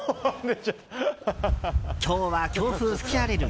今日は強風吹き荒れる